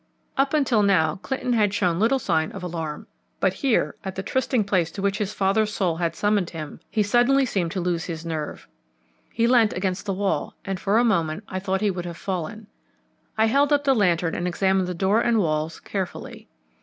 Up till now Clinton had shown little sign of alarm, but here, at the trysting place to which his father's soul had summoned him, he seemed suddenly to lose his nerve. He leant against the wall and for a moment I thought he would have fallen. I held up the lantern and examined the door and walls carefully.